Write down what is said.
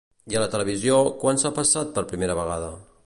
I a la televisió quan s'ha passat per primera vegada?